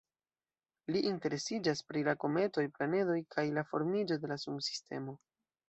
Li interesiĝas pri la kometoj, planedoj kaj la formiĝo de la Sunsistemo.